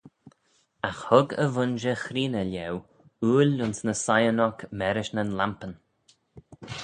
Agh hug y vooinjer chreeney lhieu ooil ayns ny siyn oc mârish nyn lampyn.